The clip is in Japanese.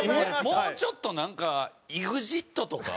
もうちょっとなんかＥＸＩＴとか。